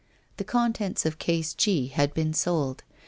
The contents of Case G had been sold.